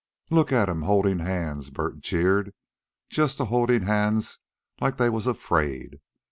"Look at 'em holdin' hands," Bert jeered. "Just a holdin' hands like they was afraid.